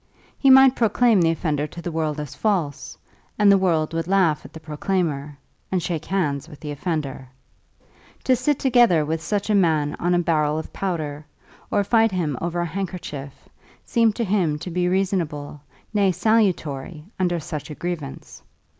He might proclaim the offender to the world as false, and the world would laugh at the proclaimer, and shake hands with the offender. To sit together with such a man on a barrel of powder, or fight him over a handkerchief, seemed to him to be reasonable, nay salutary, under such a grievance.